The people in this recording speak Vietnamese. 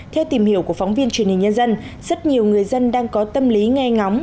theo tìm hiểu của phóng viên truyền hình nhân dân rất nhiều người dân đang có tâm lý nghe ngóng